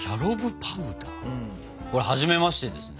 これはじめましてですね。